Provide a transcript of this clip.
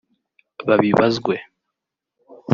babibazwe